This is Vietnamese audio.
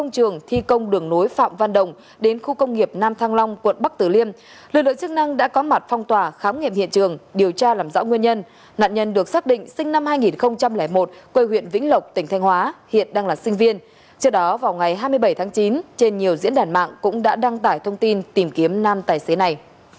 trước đó vào ngày hai mươi bảy tháng chín trên nhiều diễn đàn mạng cũng đã đăng tải thông tin tìm kiếm nam tài xế này